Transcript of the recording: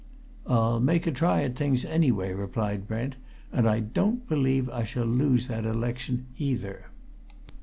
"I'll make a try at things anyway," replied Brent. "And I don't believe I shall lose that election, either."